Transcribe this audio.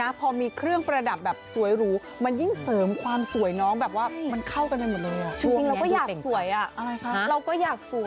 น้ำพอมีเครื่องประดับสวยรูมันยิ่งเสริมความสวยน้องแบบว่ามันเข้ากันมาหมดเลย